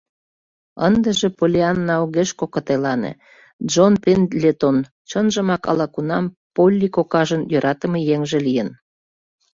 Ындыже Поллианна огеш кокытелане: Джон Пендлетон чынжымак ала-кунам Полли кокажын йӧратыме еҥже лийын!